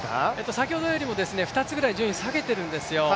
先ほどよりも２つぐらい順位を下げてるんですよ。